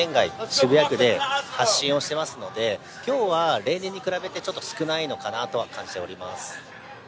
渋谷区で発信をしていますので今日は、例年に比べて、ちょっと少ないのかなとは感じております。